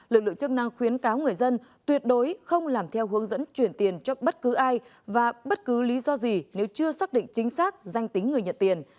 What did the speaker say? lực lượng chức năng khuyến cáo người dân tuyệt đối không làm theo hướng dẫn chuyển tiền cho bất cứ ai và bất cứ lý do gì nếu chưa xác định chính xác danh tính người nhận tiền